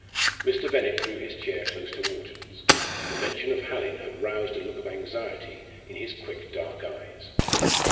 Mr. Bennett drew his chair close to Wharton's. The mention of Hallin had roused a look of anxiety in his quick dark eyes.